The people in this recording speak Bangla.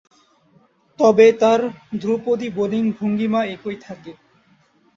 তবে, তার ধ্রুপদী বোলিং ভঙ্গীমা একই থাকে।